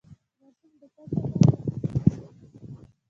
د ماشوم د تګ لپاره د هغه لاس ونیسئ